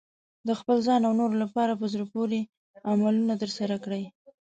د خپل ځان او نورو لپاره په زړه پورې عملونه ترسره کړئ.